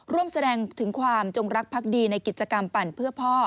ร่วมแสดงถึงความจงรักพักดีในกิจกรรมปั่นเพื่อพ่อ